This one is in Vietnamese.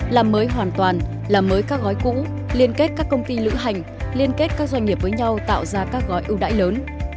làm mới hoàn toàn làm mới các gói cũ liên kết các công ty lữ hành liên kết các doanh nghiệp với nhau tạo ra các gói ưu đại lớn